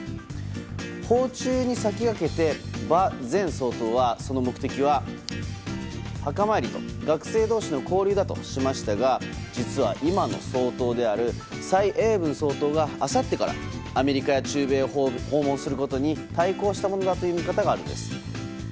訪中に先駆けて、馬前総統はその目的は墓参りと学生同士の交流だとしましたが実は、今の総統である蔡英文総統があさってからアメリカや中米を訪問することに対抗したものだという見方があるんです。